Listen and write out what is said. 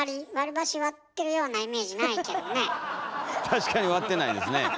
確かに割ってないですね。